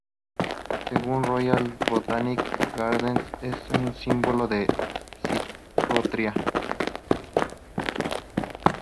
Según el Royal Botanic gardens es un sinónimo de ""'Psychotria.